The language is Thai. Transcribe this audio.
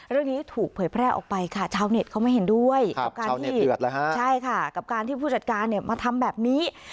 เรื่องนี้ถูกเผยแพร่ออกไปค่ะชาวเน็ตเขาไม่เห็นด้วยกับการที่ใช่ค่ะกับการที่ผู้จัดการเนี่ยมาทำแบบนี้